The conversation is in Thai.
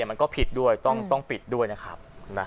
มันก็ผิดด้วยต้องปิดด้วยนะครับ